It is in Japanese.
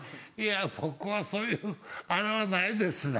僕はそういうあれはないですね。